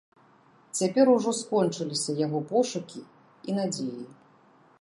Цяпер ужо скончыліся яго пошукі і надзеі.